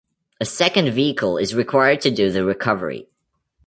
A second vehicle is required to do the recovery.